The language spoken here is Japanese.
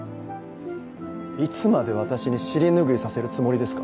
いつまで私に尻拭いさせるつもりですか。